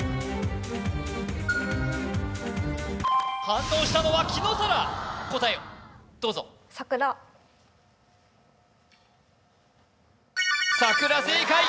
反応したのは紀野紗良答えをどうぞ桜正解！